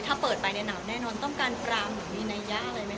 ถ้าเปิดไปในหนัวแน่นอนต้องการปรามอย่างมีในย่าอะไรแน่